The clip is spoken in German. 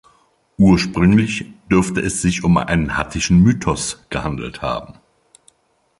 Ursprünglich dürfte es sich um einen hattischen Mythos gehandelt haben.